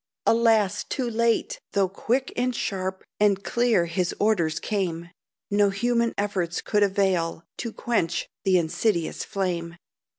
Alas, too late! Though quick, and sharp, And clear his orders came, No human efforts could avail To quench the insidious flame.